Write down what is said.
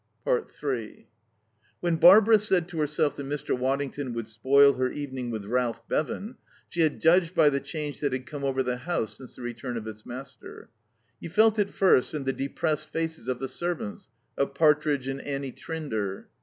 3 When Barbara said to herself that Mr. Waddington would spoil her evening with Ralph Bevan, she had judged by the change that had come over the house since the return of its master. You felt it first in the depressed faces of the servants, of Partridge and Annie Trinder.